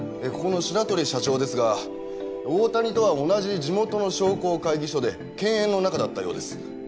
ここの白鳥社長ですが大谷とは同じ地元の商工会議所で犬猿の仲だったようです。